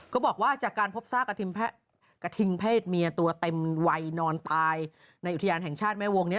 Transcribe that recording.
บอกว่าจากการพบซากกระทิงเพศเมียตัวเต็มวัยนอนตายในอุทยานแห่งชาติแม่วงนี้